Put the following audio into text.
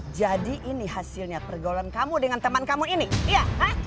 jadi ini hasilnya pergaulan kamu dengan teman kamu ini iya